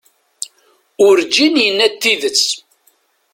Urǧin yenna-d tidet.